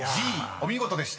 お見事でした］